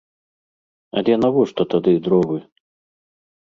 Але навошта тады дровы?